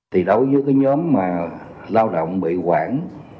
thì đối với cái nhóm mà lao động bị quản